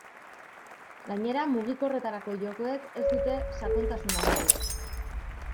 Gainera, mugikorretarako jokoek ez dute sakontasun handirik.